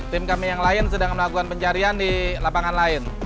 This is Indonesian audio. tim kami yang lain sedang melakukan pencarian di lapangan lain